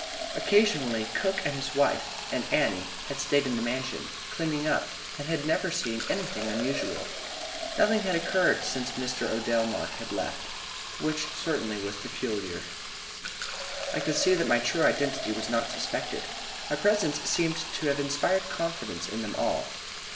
Occasionally, Cook and his wife and Annie had stayed in the Mansion, cleaning up, and had never seen anything unusual. Nothing had occurred since Mr. Odell Mark had left which certainly was peculiar. "I could see that my true identity was not suspected. My presence seemed to have inspired confidence in them all.